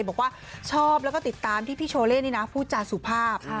บอกว่าชอบแล้วก็ติดตามที่พี่โชเล่นี่นะพูดจาสุภาพ